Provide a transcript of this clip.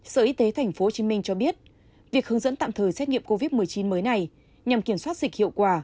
sở y tế tp hcm cho biết việc hướng dẫn tạm thời xét nghiệm covid một mươi chín mới này nhằm kiểm soát dịch hiệu quả